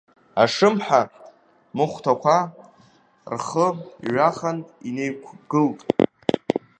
Ашымҳа махәҭакәа рхы иҩахан инеикәагылт.